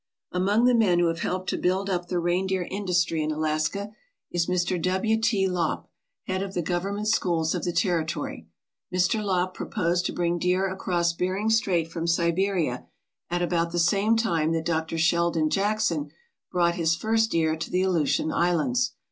Among the men who have helped to build up the rein deer industry in Alaska is Mr. W. T. Lopp, head of the government schools of the territory. Mr. Lopp proposed to bring deer across Bering Strait from Siberia at about the same time that Dr. Sheldon Jackson brought his first deer to the Aleutian Islands.